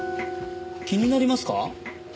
気になりますか？